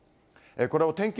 これを天気